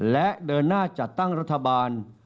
และเดินหน้าจัดตั้งรัฐบาล